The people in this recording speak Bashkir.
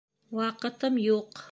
Ваҡытым юҡ.